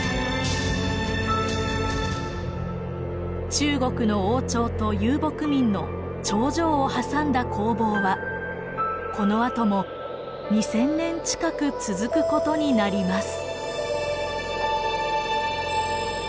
中国の王朝と遊牧民の長城を挟んだ攻防はこのあとも２，０００年近く続くことになります。